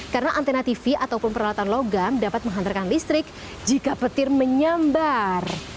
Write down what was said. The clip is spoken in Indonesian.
karena antena tv ataupun peralatan logam dapat menghantarkan listrik jika petir menyambar